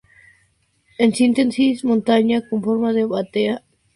En síntesis: "montaña con forma de batea".